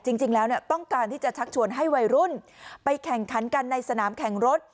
จริงแล้วต้องการที่จะชักชวนให้วัยรุ่นไปแข่งขันกันในสนามแข่งรถ